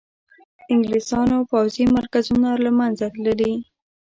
انګلیسیانو پوځي مرکزونه له منځه تللي.